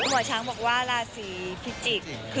หัวช้างบอกราศีพิจิค